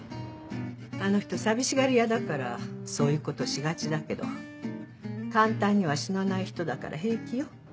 あの人寂しがり屋だからそういうことしがちだけど簡単には死なない人だから平気よ。